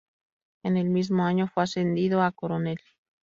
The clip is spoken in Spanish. En el mismo año fue ascendido a coronel.